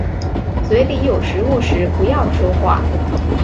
嘴里有食物时不要说话。